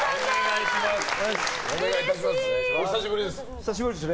お久しぶりです。